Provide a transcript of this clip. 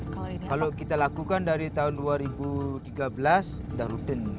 kalau kita lakukan dari tahun dua ribu tiga belas sudah rutin